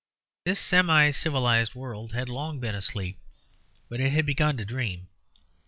This semi civilized world had long been asleep; but it had begun to dream.